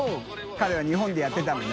彼は日本でやってたのね。